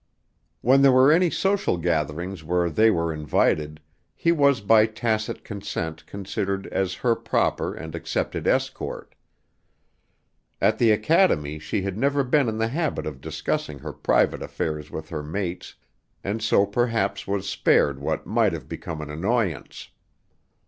When there were any social gatherings where they were invited, he was by tacit consent considered as her proper and accepted escort. At the academy she had never been in the habit of discussing her private affairs with her mates, and so perhaps was spared what might have become an annoyance.